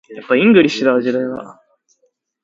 Any causative new medication should be discontinued.